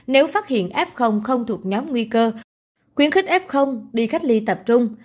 nếu phát hiện f không thuộc nhóm nguy cơ khuyến khích f đi cách ly tập trung